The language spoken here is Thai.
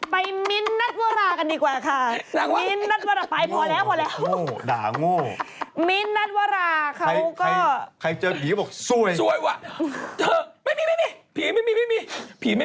ไปมิ้นนัดว่ารากันดีกว่าค่ะ